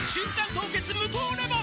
凍結無糖レモン」